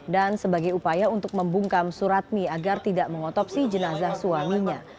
dan sebagai upaya untuk membungkam suratni agar tidak mengotopsi jenazah suaminya